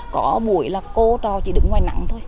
có bụi là cô trò chỉ đứng ngoài nặng thôi